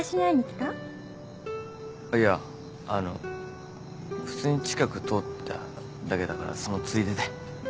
あっいやあの普通に近く通っただけだからそのついでで。